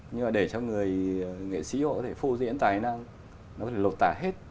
nhưng mà để cho người nghệ sĩ họ có thể phô diễn tài năng nó có thể lột tả hết